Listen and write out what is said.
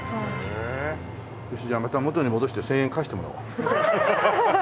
よしじゃあまた元に戻して１０００円返してもらおう。